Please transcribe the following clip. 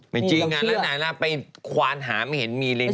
ไม่จริงอันนั้นไปควานหาไม่เห็นมีเรเนตแน่หน่อย